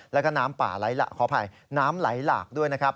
แล้วก็น้ำป่าไหลหลากขออภัยน้ำไหลหลากด้วยนะครับ